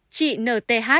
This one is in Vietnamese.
chị taylor là bác gái của v a